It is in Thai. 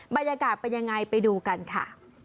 บรรยากาศเป็นยังไงไปดูกันค่ะ